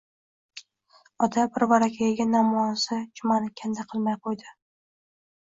Ota birvarakayiga namozi jumani kanda qilmay qo‘ydi